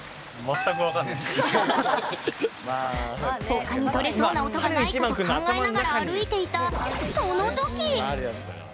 ほかにとれそうな音がないかと考えながら歩いていたそのとき！